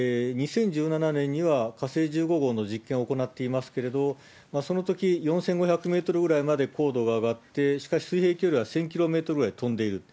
２０１７年には火星１５号の実験を行っていますけれども、その時、４５００メートルぐらいまで高度が上がって、しかし、水平距離は１０００キロメートルぐらい飛んでいる。